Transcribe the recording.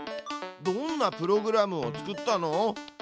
どんなプログラムを作ったの？